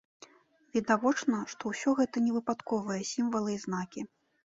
Відавочна, што ўсё гэта не выпадковыя сімвалы і знакі.